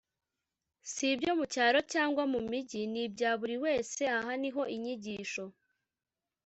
Si Ibyo Mu Cyaro Cyangwa Mu Mujyi Ni Ibya Buri Wese Aha Ni Ho Inyigisho